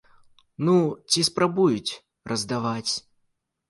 Ну, ці спрабуюць раздаваць.